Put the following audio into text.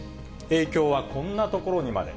影響はこんな所にまで。